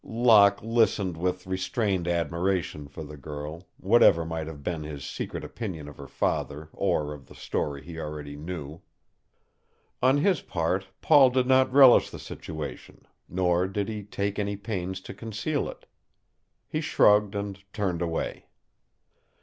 Locke listened with restrained admiration for the girl, whatever might have been his secret opinion of her father or of the story he already knew. On his part, Paul did not relish the situation, nor did he take any pains to conceal it. He shrugged and turned away.